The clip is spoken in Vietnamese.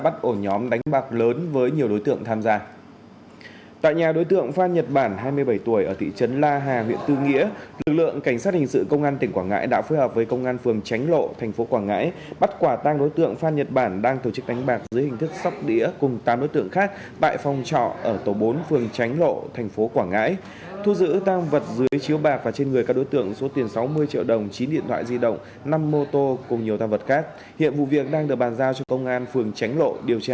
tại nhà đối tượng phan nhật bản hai mươi bảy tuổi ở thị trấn la hà huyện tư nghĩa lực lượng cảnh sát hình sự công an tỉnh quảng ngãi đã phối hợp với công an phường tránh lộ thành phố quảng ngãi bắt quả tang đối tượng phan nhật bản đang tổ chức đánh bạc dưới hình thức sóc đĩa cùng tám đối tượng khác tại phòng trọ ở tổ bốn phường tránh lộ thành phố quảng ngãi thu giữ tang vật dưới chiếu bạc và trên người các đối tượng số tiền sáu mươi triệu đồng chín điện thoại di động năm mô tô cùng nhiều tang vật khác hiện vụ việc đang được bàn giao cho công an phường tránh lộ